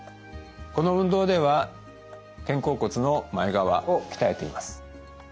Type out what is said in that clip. この運動では肩甲骨の前側を鍛えています。